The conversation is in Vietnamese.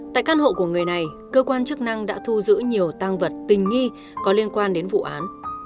tại căn hộ của người này cơ quan chức năng đã thu giữ nhiều tăng vật tình nghi có liên quan đến vụ án